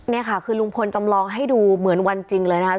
นี่ค่ะคือลุงพลจำลองให้ดูเหมือนวันจริงเลยนะคะ